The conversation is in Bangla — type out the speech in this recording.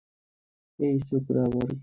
এই ছোকরা আবার কে?